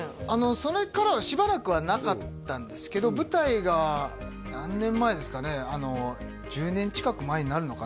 それからはしばらくはなかったんですけど舞台が何年前ですかね１０年近く前になるのかな？